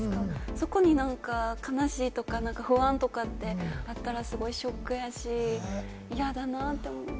そこに悲しいとか不安とかあったらすごいショックやし、嫌だなって思います。